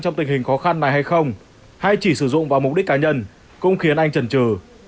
trong tình hình khó khăn này hay không hay chỉ sử dụng vào mục đích cá nhân cũng khiến anh trần trừ